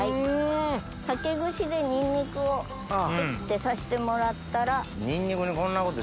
竹串でニンニクをクッて刺してもらったら。